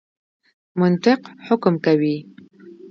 منطق حکم کوي.